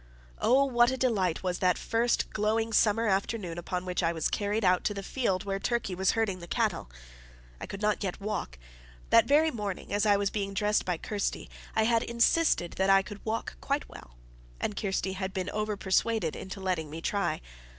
Oh, what a delight was that first glowing summer afternoon upon which I was carried out to the field where Turkey was herding the cattle! I could not yet walk. That very morning, as I was being dressed by Kirsty, I had insisted that I could walk quite well, and Kirsty had been over persuaded into letting me try.